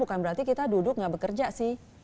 bukan berarti kita duduk gak bekerja sih